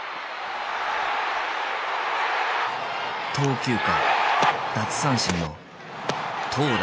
投球回奪三振の投打